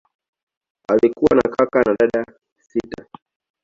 Alikuwa na kaka na dada sita.